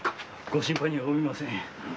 ご心配には及びません。